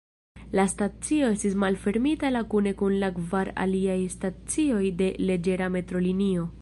La stacio estis malfermita la kune kun la kvar aliaj stacioj de leĝera metrolinio.